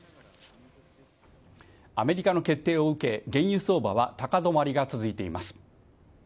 アメリカの決定を受け、原油相場は高止まりが続いています。